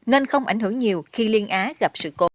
nên không ảnh hưởng nhiều khi liên á gặp sự cố